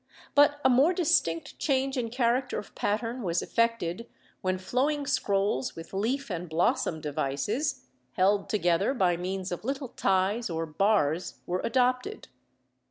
But a more distinct change in character of pattern was effected when flowing scrolls with leaf and blossom devices, held together by means of little ties or bars, were adopted.